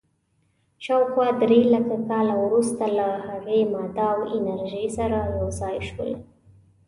شاوخوا درېلکه کاله وروسته له هغې، ماده او انرژي سره یو ځای شول.